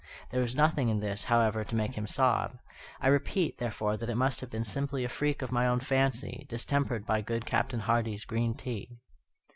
There was nothing in this, however, to make him sob. I repeat, therefore, that it must have been simply a freak of my own fancy, distempered by good Captain Hardy's green tea.